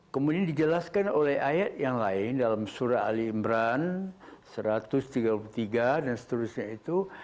kemudian dijelaskan oleh ayat yang lain dalam surah ali imran satu ratus tiga puluh tiga dan seterusnya itu